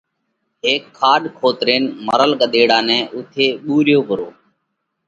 هيڪ کاڏ کوۮينَ مرل ڳۮيڙا نئہ اُوٿئہ ٻُوريو پرو۔